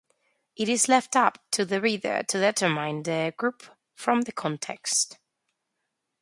It is left up to the reader to determine the group from the context.